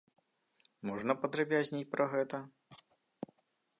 Можна падрабязней пра гэта?